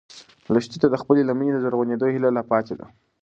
لښتې ته د خپلې لمنې د زرغونېدو هیله لا پاتې ده.